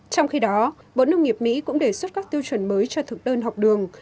trong khi đó bộ nông nghiệp mỹ cũng đề xuất các tiêu chuẩn mới cho thực đơn học đường